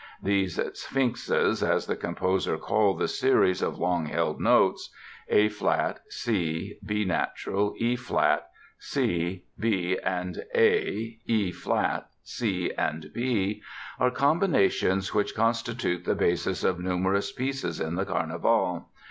These "Sphinxes" as the composer called the series of long held notes (A flat, C, B natural, E flat, C, B, and A, E flat, C and B) are combinations which constitute the basis of numerous pieces in the "Carnival".